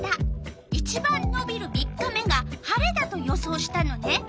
いちばんのびる３日目が晴れだと予想したのね。